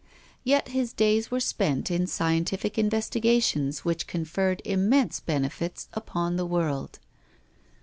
Yet his days were spent in scientific investiga tions which conferred immense benefits upon the world.